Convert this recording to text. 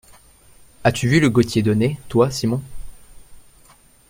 As-tu vu le Gaultier d’Aulnay, toi, Simon ?